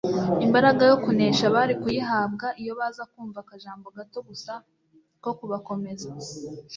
imbaraga yo kunesha bari kuyihabwa iyo baza kumva akajambo gato gusa ko kubakomeza.